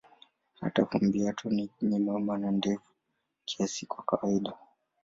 Hata fumbatio ni nyembamba na ndefu kiasi kwa kawaida.